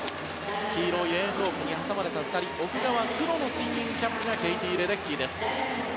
黄色いレーンロープに挟まれた２人奥側、黒のスイミングキャップがケイティ・レデッキーです。